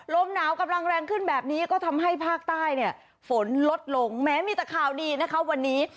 ลมหนาวกำลังแรงขึ้นแบบนี้ก็ทำให้ภาคใต้เนี่ยฝนลดลงแม้มีแต่ข่าวดีนะคะวันนี้